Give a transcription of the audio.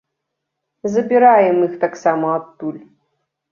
Забіраем іх таксама адтуль.